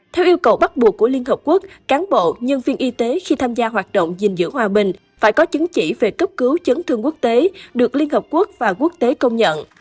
theo yêu cầu bắt buộc của liên hợp quốc cán bộ nhân viên y tế khi tham gia hoạt động gìn giữ hòa bình phải có chứng chỉ về cấp cứu chấn thương quốc tế được liên hợp quốc và quốc tế công nhận